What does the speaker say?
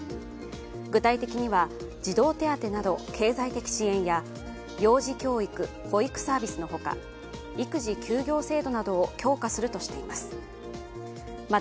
具体的には、児童手当など経済的支援や幼児教育・保育サービスのほか、育児休業制度などを強化するなどとしています。